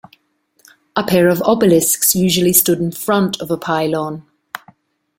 A pair of obelisks usually stood in front of a pylon.